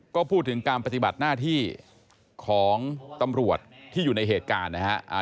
ก็พูดถึงการปฏิบัติหน้าที่ของตำรวจที่อยู่ในเหตุการณ์นะฮะ